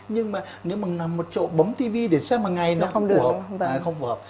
nhưng mà nếu mà một chỗ bấm tivi để xem hằng ngày nó không phù hợp